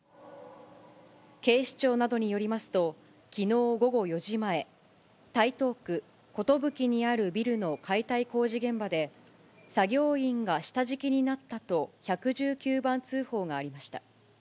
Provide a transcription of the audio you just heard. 警視庁などによりますと、きのう午後４時前、台東区寿にあるビルの解体工事現場で、作業員が下敷きになったと、１１９番通報がありました。